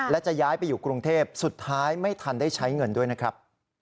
และจะย้ายไปอยู่กรุงเทพสุดท้ายไม่ทันได้ใช้เงินด้วยนะครับ